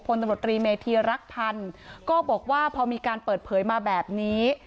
ตำรวจตรีเมธีรักพันธ์ก็บอกว่าพอมีการเปิดเผยมาแบบนี้